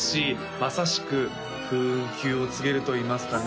まさしく風雲急を告げるといいますかね